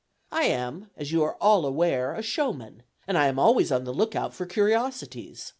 I am, as you are all aware, a showman, and I am always on the lookout for curiosities.